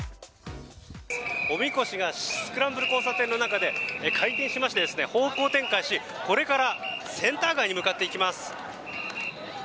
おみこしがスクランブル交差点の中で回転しまして、方向転換しこれからセンター街に向かっていきます。